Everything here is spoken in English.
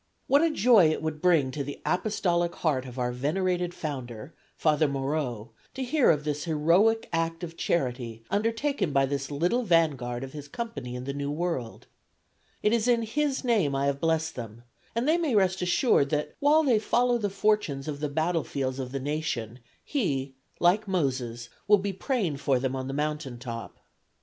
What a joy it would bring to the apostolic heart of our venerated founder (Father Moreaux) to hear of this heroic act of charity undertaken by this little vanguard of his company in the New World! It is in his name I have blessed them, and they may rest assured that while they follow the fortunes of the battlefields of the nation, he, like Moses, will be praying for them on the mountain top.